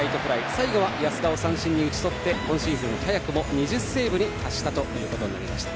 最後は、安田を三振に打ち取って今シーズン早くも２０セーブに達したということになりました。